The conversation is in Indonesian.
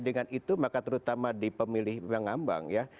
dengan itu maka terutama di pemilih yang ngambang ya